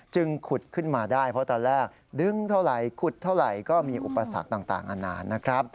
ขุดขึ้นมาได้เพราะตอนแรกดึงเท่าไหร่ขุดเท่าไหร่ก็มีอุปสรรคต่างนานนะครับ